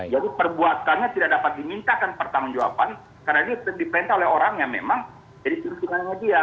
jadi perbuatannya tidak dapat dimintakan pertanggung jawaban karena dia diperintah oleh orang yang memang jadi penyusupannya dia